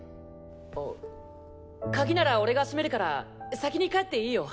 あ鍵なら俺がしめるから先に帰っていいよ。